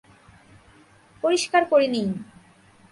পরিষ্কার করে নিই।